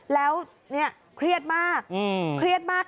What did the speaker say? แล้วเนี่ยเครียดมาก